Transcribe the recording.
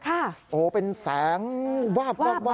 โอ้โฮเป็นแสงวาบเลยค่ะ